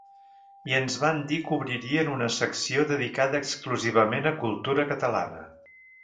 I ens van dir que obririen una secció dedicada exclusivament a cultura catalana.